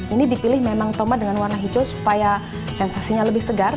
ini dipilih memang tomat dengan warna hijau supaya sensasinya lebih segar